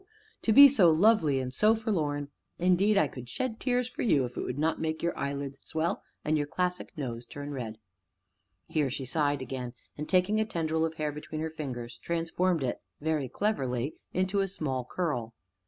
To be so lovely and so forlorn! indeed, I could shed tears for you if it would not make your eyelids swell and your classic nose turn red." Here she sighed again, and, taking a tendril of hair between her fingers, transformed it, very cleverly, into a small curl.